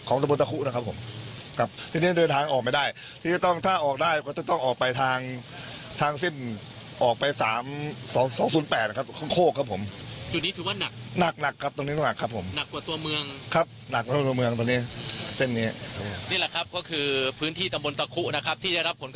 ออกไปสามสองสูนแปดครับ